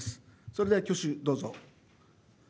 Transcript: それでは挙手、どうぞ。